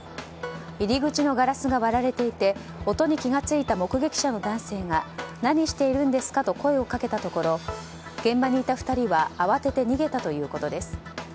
入り口のガラスが割られていて音に気が付いた目撃者の男性が何しているんですかと声をかけたところ現場にいた２人は慌てて逃げたということです。